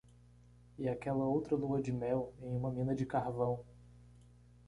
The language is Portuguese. E aquela outra lua de mel em uma mina de carvão!